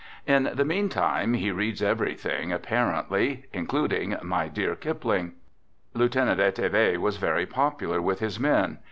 In the mean time, he reads, everything apparently, including " my dear Kipling." , Lieutenant Eteve was very popular with his men.